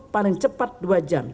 paling cepat dua jam